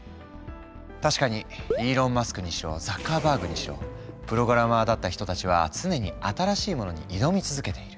確かにイーロン・マスクにしろザッカーバーグにしろプログラマーだった人たちは常に新しいものに挑み続けている。